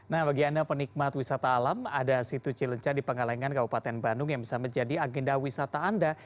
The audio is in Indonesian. nah bagi anda penikmat wisata alam ada situ cilenca di pengalengan kabupaten bandung yang bisa menjadi agenda wisata anda